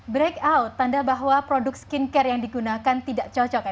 breakout tanda bahwa produk skincare yang digunakan tidak cocok